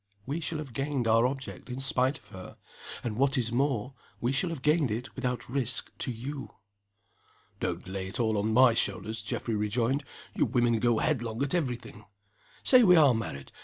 We shall have gained our object in spite of her and, what is more, we shall have gained it without risk to you." "Don't lay it all on my shoulders," Geoffrey rejoined. "You women go headlong at every thing. Say we are married.